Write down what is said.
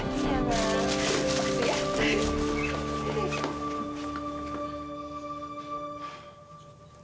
terima kasih ya